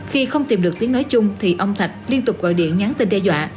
khi không tìm được tiếng nói chung thì ông thạch liên tục gọi điện nhắn tin đe dọa